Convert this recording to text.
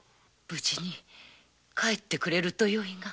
無事に帰ってくれるとよいが。